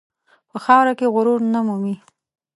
په خاوره کې غرور نه مومي.